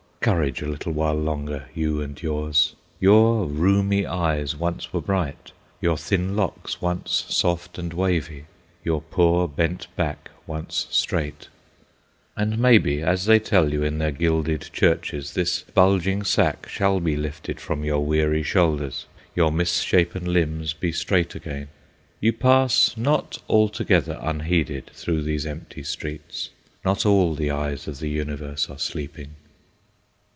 Courage a little while longer, you and yours. Your rheumy eyes once were bright, your thin locks once soft and wavy, your poor bent back once straight; and maybe, as they tell you in their gilded churches, this bulging sack shall be lifted from your weary shoulders, your misshapen limbs be straight again. You pass not altogether unheeded through these empty streets. Not all the eyes of the universe are sleeping.